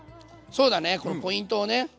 そうだねこのポイントをね。